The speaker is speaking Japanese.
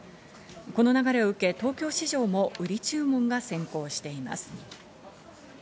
この流れを受け、東京市場も売り注文が先行しています。